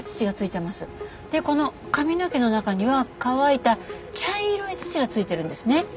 でこの髪の毛の中には乾いた茶色い土が付いてるんですね。